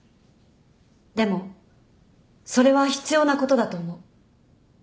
でもそれは必要なことだと思う。